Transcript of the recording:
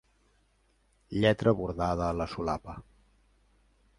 Lletra bordada a la solapa.